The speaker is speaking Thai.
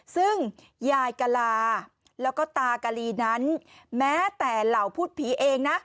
ซึ่งยายกะลาแล้วก็ตากะลีนั้นแม้แต่เหล่าพูดผีเองนะ